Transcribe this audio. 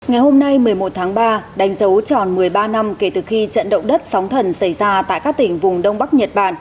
ngày hôm nay một mươi một tháng ba đánh dấu tròn một mươi ba năm kể từ khi trận động đất sóng thần xảy ra tại các tỉnh vùng đông bắc nhật bản